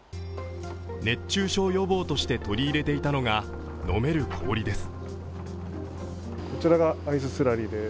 熱中症予防として取り入れていたのが飲める氷です。